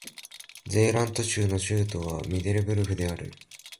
ゼーラント州の州都はミデルブルフである